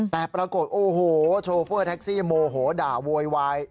แต่ปรากฏโอ้โหโชเฟอร์แท็กซี่โมโหด่าโวยวาย